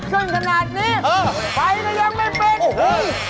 ขอดูแจ๊วนี่มันกี่โมงกี่ยามก็แล้วว่ะแล้วอาทิตย์ขึ้นขนาดนี้